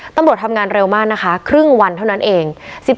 ตำรวจทำงานเร็วมากนะคะครึ่งวันเท่านั้นเอง